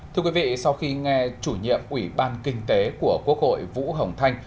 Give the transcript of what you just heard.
thưa quý vị sau khi nghe chủ nhiệm ủy ban kinh tế của quốc hội vũ hồng thanh